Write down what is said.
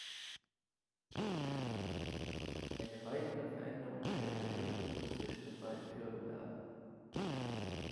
Eine weitere Veränderung stellt der Durchbruch zwischen den beiden Türmen dar.